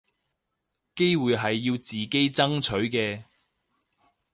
機會係要自己爭取嘅